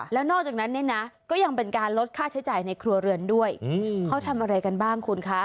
แล้วนอกจากนั้นเนี่ยนะก็ยังเป็นการลดค่าใช้จ่ายในครัวเรือนด้วยเขาทำอะไรกันบ้างคุณคะ